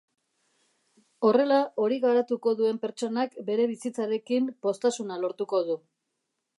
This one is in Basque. Horrela, hori garatuko duen pertsonak bere bizitzarekin poztasuna lortuko du.